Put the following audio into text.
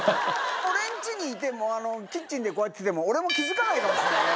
俺んちにいても、キッチンでこうやってても、俺も気付かないかもしれないね。